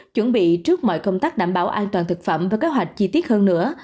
chuẩn bị trước mọi công tác đảm bảo an toàn thực phẩm và kế hoạch chi tiết hơn nữa